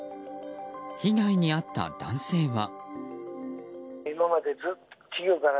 被害に遭った男性は。